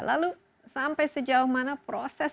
lalu sampai sejauh mana proses